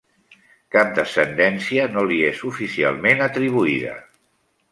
Cap descendència no li és oficialment atribuïda.